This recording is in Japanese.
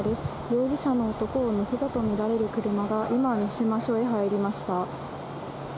容疑者の男を乗せたとみられる車が今、三島署へ入りました。